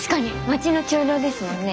町の長老ですもんね。